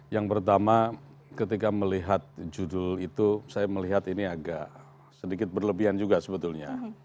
yang pertama ketika melihat judul itu saya melihat ini agak sedikit berlebihan juga sebetulnya